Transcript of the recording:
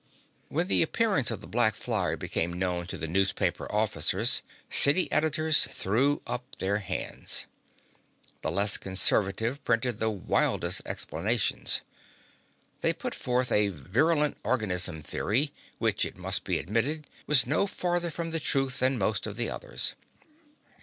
When the appearance of the black flyer became known in the newspaper offices, city editors threw up their hands. The less conservative printed the wildest explanations. They put forth a virulent organism theory, which, it must be admitted, was no farther from the truth than most of the others.